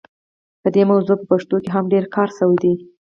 په دې موضوع په پښتو کې هم ډېر کار شوی دی.